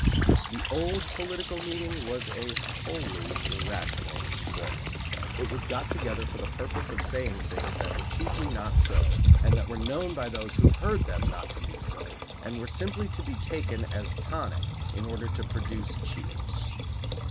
The old political meeting was a wholly irrational performance; it was got together for the purpose of saying things that were chiefly not so and that were known by those who heard them not to be so, and were simply to be taken as a tonic in order to produce cheers.